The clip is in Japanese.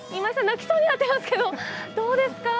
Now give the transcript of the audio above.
泣きそうになってますけどどうですか？